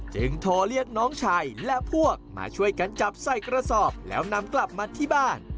โทรเรียกน้องชายและพวกมาช่วยกันจับใส่กระสอบแล้วนำกลับมาที่บ้าน